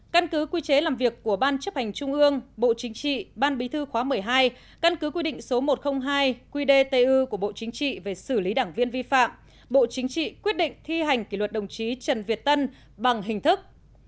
căn cứ quy chế làm việc của ban chấp hành trung ương bộ chính trị ban bí thư khóa một mươi hai căn cứ quy định số một trăm linh hai qdtu của bộ chính trị về xử lý đảng viên vi phạm bộ chính trị quyết định thi hành kỷ luật đồng chí trần việt tân bằng hình thức